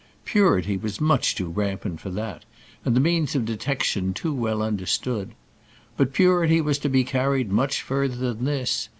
Purity was much too rampant for that, and the means of detection too well understood. But purity was to be carried much further than this.